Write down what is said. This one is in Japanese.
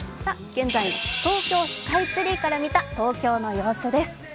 現在の東京スカイツリーから見た東京の様子です。